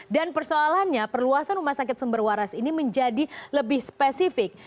dan persoalannya perluasan rumah sakit sumber waras ini menjadi lebih spesifik